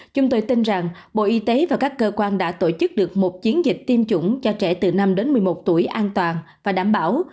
chúng tôi tin rằng bộ y tế và các cơ quan đã tổ chức được một chiến dịch tiêm chủng cho trẻ từ năm đến một mươi một tuổi an toàn và đảm bảo